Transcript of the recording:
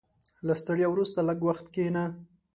• له ستړیا وروسته، لږ وخت کښېنه.